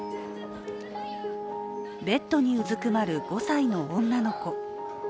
ベッドにうずくまる５歳の女の子。